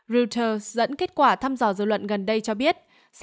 reuters dẫn kết quả thăm dò dư luận gần đây cho biết